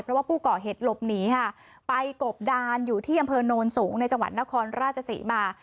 เพราะว่าผู้ก่อเหตุหลบหนีค่ะไปกบดานอยู่ที่อำเภอโนนสูงในจังหวัดนครราชศรีมา